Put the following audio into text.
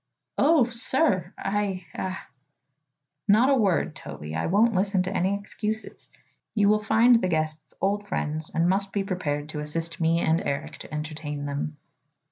"Oh, sir! I I " "Not a word, Toby. I won't listen to any excuses. You will find the guests old friends and must be prepared to assist me and Eric to entertain them."